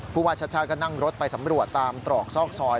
ผู้ว่าชาติชาติก็นั่งรถไปสำรวจตามตรอกซอกซอย